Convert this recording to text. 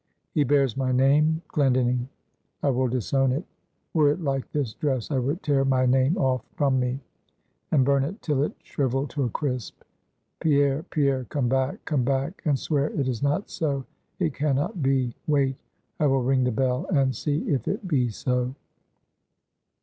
He bears my name Glendinning. I will disown it; were it like this dress, I would tear my name off from me, and burn it till it shriveled to a crisp! Pierre! Pierre! come back, come back, and swear it is not so! It can not be! Wait: I will ring the bell, and see if it be so."